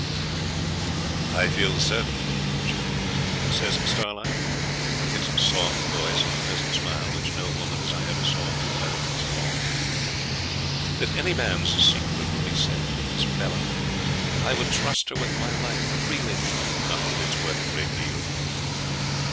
'I feel certain, Jim,' says Starlight, with his soft voice and pleasant smile, which no woman as I ever saw could fight against long, 'that any man's secret would be safe with Miss Bella. I would trust her with my life freely not that it's worth a great deal.'